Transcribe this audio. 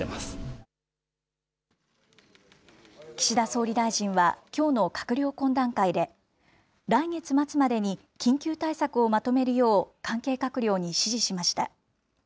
岸田総理大臣は、きょうの閣僚懇談会で来月末までに緊急対策をまとめるよう、関係閣僚に指示しました。